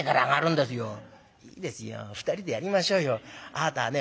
あなたはね